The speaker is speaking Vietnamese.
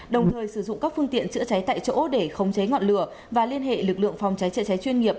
đồng thời sử dụng các phương tiện chữa cháy tại chỗ để khống chế ngọn lửa và liên hệ lực lượng phòng cháy chữa cháy chuyên nghiệp